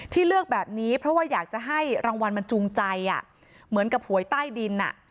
เลือกแบบนี้เพราะว่าอยากจะให้รางวัลมันจูงใจเหมือนกับหวยใต้ดิน